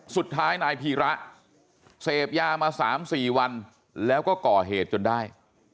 สุดท้ายนายพีระเสพยามา๓๔วันแล้วก็ก่อเหตุจนได้